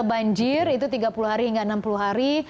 banjir itu tiga puluh hari hingga enam puluh hari